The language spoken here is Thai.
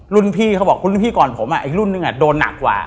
รุ่นพี่เขาบอกรุ่นพี่ก่อนผมอีกรุ่นนึงโดนหนักกว่า